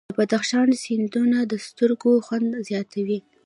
د بدخشان سیندونه د سترګو خوند زیاتوي.